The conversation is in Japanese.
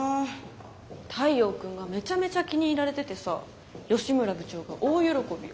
太陽君がめちゃめちゃ気に入られててさ吉村部長が大喜びよ。